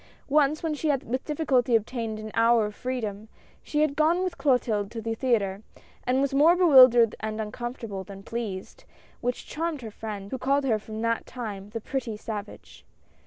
Once, when she had with difficulty obtained an hour of freedom, she had gone with Clotilde to the theatre, and was more bewildered and uncomfortable than pleased, which charmed her friend, who called her from that time " the pretty savage."